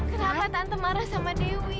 kenapa tante marah sama dewi